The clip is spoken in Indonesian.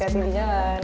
hati hati di jalan